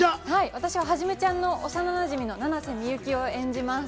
私は、はじめちゃんの幼なじみ・七瀬美雪を演じます。